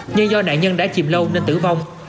nhưng do nạn nhân đã chìm lâu nên tử vong